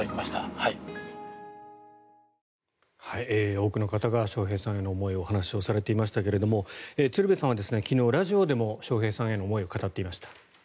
多くの方が笑瓶さんへの思いをお話しされていましたが鶴瓶さんは昨日、ラジオでも笑瓶さんへの思いを語っていました。